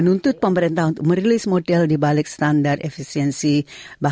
dan juga di penelitian aplikasi kami